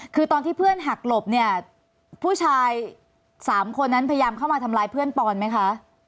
คือตอนที่เพื่อนหักหลบเนี่ยผู้ชาย๓คนนั้นพยายามเข้ามาทำร้ายเพื่อนปอนไหมคะ